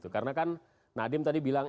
karena kan nadim tadi bilang